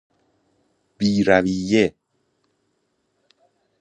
بیرویه